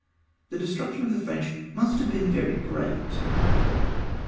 The destruction of the French must have been very great.